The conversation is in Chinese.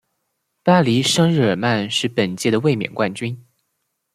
巴黎圣日耳曼是本届的卫冕冠军。